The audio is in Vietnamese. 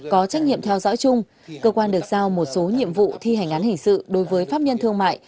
có trách nhiệm theo dõi chung cơ quan được giao một số nhiệm vụ thi hành án hình sự đối với pháp nhân thương mại